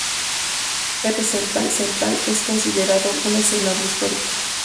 El Gran Parque Central es considerado un escenario histórico.